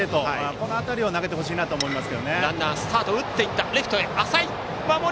この辺りを投げてほしいと思います。